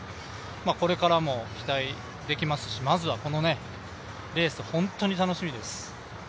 これからも期待できますし、まずはこのレース本当に楽しみです。